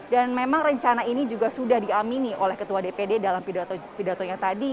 dan memang rencana ini juga sudah diamini oleh ketua dpd dalam pidatonya tadi